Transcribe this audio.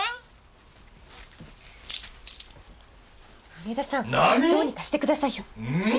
上田さんどうにかしてくださいよ。